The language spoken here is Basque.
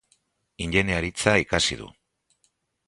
Ingeniaritza ikasi du.